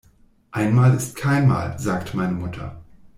Einmal ist keinmal, sagt meine Mutter.